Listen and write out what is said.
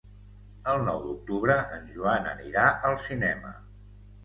El nou d'octubre en Joan anirà al cinema.